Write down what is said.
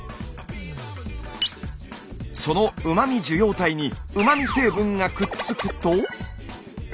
そのうま味受容体にうま味成分がくっつくと。